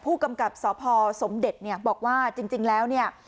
ผู้กำกับสพสมเด็จเนี่ยบอกว่าจริงแล้วเนี่ย